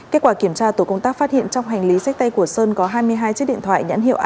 kết quả kiểm tra tổ công tác phát hiện trong hành lý sách tay của sơn có hai mươi hai chiếc điện thoại nhãn hiệu